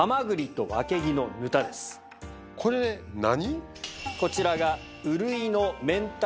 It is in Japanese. これ何？